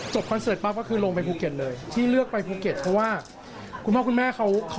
คอนเสิร์ตปั๊บก็คือลงไปภูเก็ตเลยที่เลือกไปภูเก็ตเพราะว่าคุณพ่อคุณแม่เขา